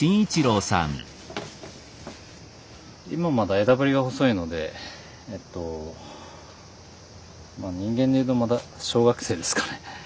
今まだ枝ぶりが細いのでまあ人間で言うとまだ小学生ですかね。